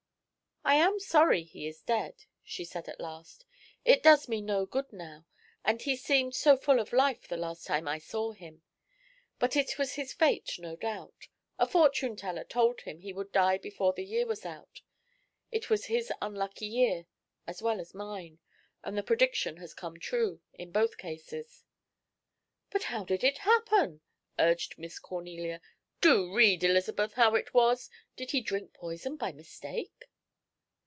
"I am sorry he is dead," she said, at last. "It does me no good now and he seemed so full of life the last time I saw him. But it was his fate, no doubt a fortune teller told him he would die before the year was out. It was his unlucky year, as well as mine. And the prediction has come true in both cases." "But how did it happen?" urged Miss Cornelia. "Do read, Elizabeth, how it was. Did he drink poison by mistake?"